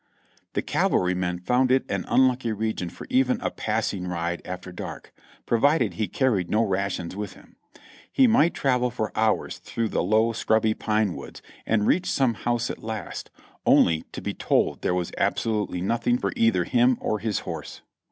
The cavalrymen found it an unlucky region for even a passing ride after dark, provided he carried no rations with him ; he might travel for hours through the low, scrubby pine woods, and reach some house at last, only to be told there was absolutely nothing for either him or his horse.